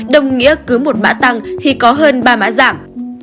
đồng nghĩa cứ một mã tăng thì có hơn ba mã giảm